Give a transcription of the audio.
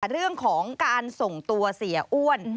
เรื่องของการส่งตัวเสียอ้วน